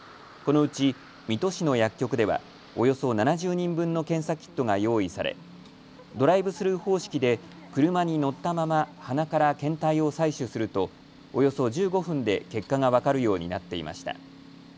このうち水戸市の薬局ではおよそ７０人分の検査キットが用意されドライブスルー方式で車に乗ったまま鼻から検体を採取するとおよそ１５分で結果が分かるようになっていました。